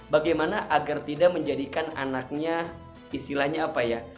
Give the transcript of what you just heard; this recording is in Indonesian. bagaimana agar tidak menjadikan anaknya istilahnya apa ya